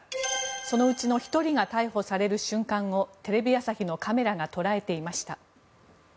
そのうちの１人が逮捕される瞬間をテレビ朝日のカメラが捉えていました。